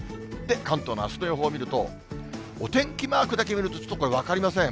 関東のあすの予報見ると、お天気マークだけ見ると、ちょっとこれ、分かりません。